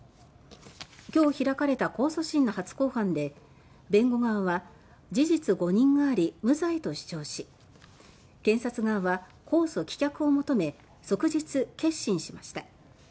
今日開かれた控訴審の初公判で弁護側は事実誤認があり無罪と主張し検察側は控訴棄却を求め即日結審しました。